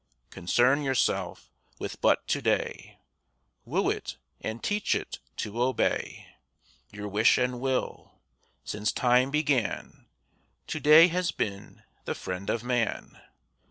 Concern yourself with but to day; Woo it and teach it to obey Your wish and will. Since time began To day has been the friend of man.